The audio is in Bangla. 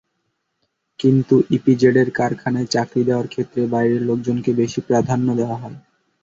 কিন্তু ইপিজেডের কারখানায় চাকরি দেওয়ার ক্ষেত্রে বাইরের লোকজনকে বেশি প্রাধান্য দেওয়া হয়।